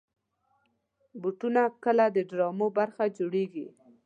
بوټونه کله د ډرامو برخه جوړېږي.